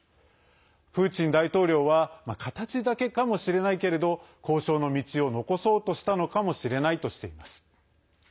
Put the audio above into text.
プーチン大統領は形だけかもしれないけれど交渉の道を残そうとしたのかもしれないとしています。